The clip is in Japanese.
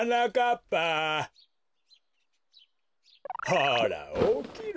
ほらおきろ！